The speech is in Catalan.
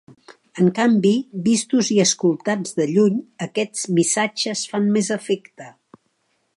En canvi, vistos i escoltats de lluny, aquests missatges fan més efecte.